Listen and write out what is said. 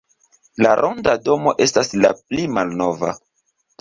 La ronda domo estas la pli malnova.